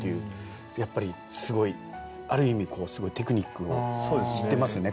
やっぱりすごいある意味すごいテクニックを知ってますね